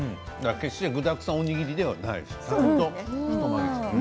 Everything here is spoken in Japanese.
決して具だくさんおにぎりではないちゃんと太巻き。